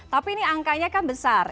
tapi ini angkanya kan besar